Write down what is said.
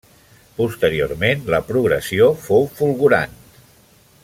Posteriorment, la progressió fou fulgurant.